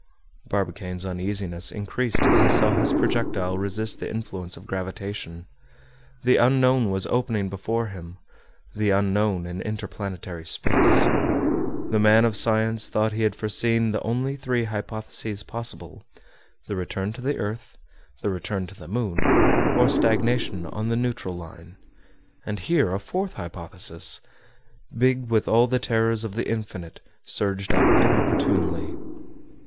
Barbicane's uneasiness increased as he saw his projectile resist the influence of gravitation. The Unknown was opening before him, the Unknown in interplanetary space. The man of science thought he had foreseen the only three hypotheses possible—the return to the earth, the return to the moon, or stagnation on the neutral line; and here a fourth hypothesis, big with all the terrors of the Infinite, surged up inopportunely.